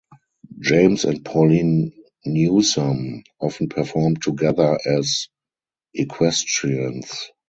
James and Pauline Newsome often performed together as equestrians.